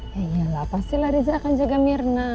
ya iyalah pasti lah riza akan jaga mirna